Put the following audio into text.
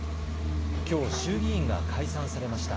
きょう衆議院が解散されました。